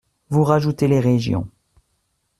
Vous rajoutez les régions.